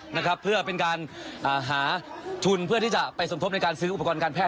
นะครับเพื่อเป็นการอ่าหาทุนเพื่อที่จะไปสมทบในการซื้ออุปกรณ์การแพท